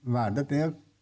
và đất nước